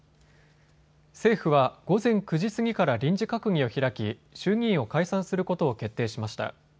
政府は午前９時過ぎから臨時閣議を開き、衆議院を解散することを決定しました。